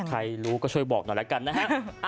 ใครรู้ก็ช่วยบอกหน่อยแล้วกันนะฮะ